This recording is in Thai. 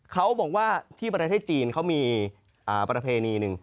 เขาบอกว่าที่ประเทศจีนเขามีประเพณีหนึ่ง